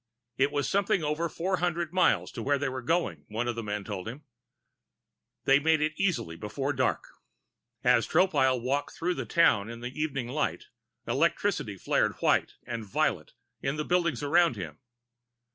It was something over four hundred miles to where they were going, one of the men told him. They made it easily before dark. As Tropile walked through the town in the evening light, electricity flared white and violet in the buildings around him.